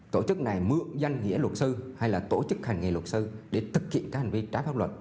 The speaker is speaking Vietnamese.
tổ chức này mượn danh nghĩa luật sư hay là tổ chức hành nghề luật sư để thực hiện các hành vi trái pháp luật